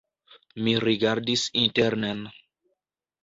Mi rigardis internen.